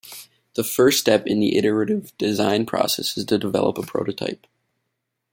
The first step in the iterative design process is to develop a prototype.